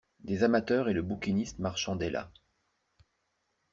Des amateurs et le bouquiniste marchandaient là.